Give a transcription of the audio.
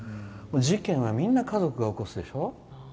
事件はみんな家族が起こすでしょ。